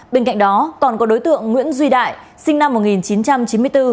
bên cạnh đó còn có đối tượng nguyễn duy đại sinh năm một nghìn chín trăm chín mươi bốn